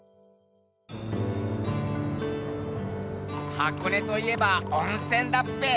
箱根といえばおんせんだっぺ。